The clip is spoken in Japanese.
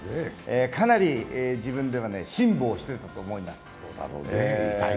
かなり自分では辛抱してたと思います。